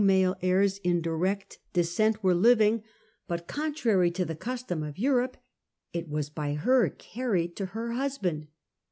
male heirs in direct descent were living, but, contrary to the custom of Europe, it was by her carried to her husband.